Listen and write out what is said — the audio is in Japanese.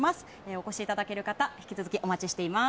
お越しいただける方引き続きお待ちしております。